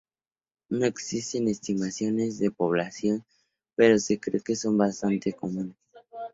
No existen estimaciones de población, pero se cree que son bastante comunes.